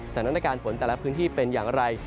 สถานการณ์ฝนแต่ละพื้นที่เป็นอย่างไร